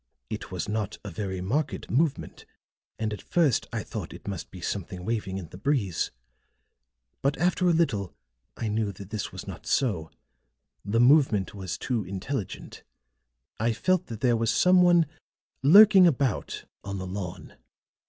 It was not a very marked movement, and at first I thought it must be something waving in the breeze. But after a little I knew that this was not so; the movement was too intelligent; I felt that there was some one lurking about on the lawn.